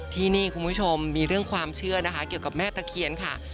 ที่นี่คุณผู้ชมมีเรื่องความเชื่อนะคะเกี่ยวกับแม่ตะเคียนค่ะ